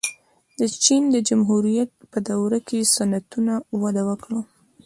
د چین جمهوریت په دوره کې صنعتونه وده وکړه.